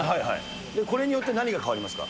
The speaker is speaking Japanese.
これによって何が変わりますか？